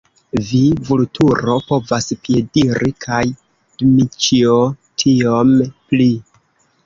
Vi, Vulturo, povas piediri kaj Dmiĉjo tiom pli!